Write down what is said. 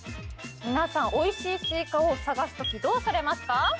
皆さんおいしい西瓜を探すときどうされますか？